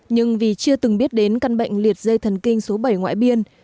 nhưng vì chưa từng biết đến căn bệnh liệt dây thần kinh số bảy ngoại biên